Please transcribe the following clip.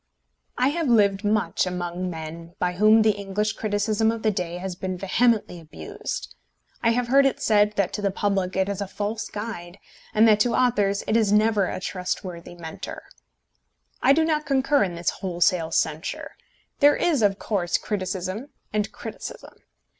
I have lived much among men by whom the English criticism of the day has been vehemently abused. I have heard it said that to the public it is a false guide, and that to authors it is never a trustworthy Mentor. I do not concur in this wholesale censure. There is, of course, criticism and criticism.